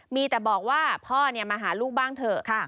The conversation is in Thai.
มีแต่บอกว่าพ่อมาหาลูกบ้างเถอะ